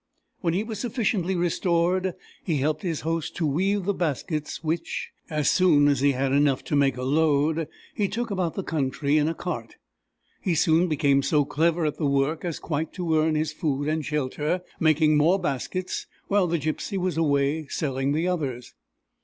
When he was sufficiently restored, he helped his host to weave the baskets which, as soon as he had enough to make a load, he took about the country in a cart. He soon became so clever at the work as quite to earn his food and shelter, making more baskets while the gypsy was away selling the others.